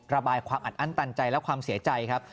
ระบายความอัดอั้นตันใจและความเสียใจครับ